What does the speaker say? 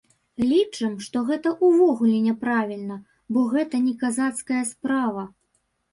Лічым, што гэта ўвогуле няправільна, бо гэта не казацкая справа.